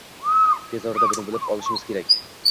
Tez orada buni bilib olishimiz kerak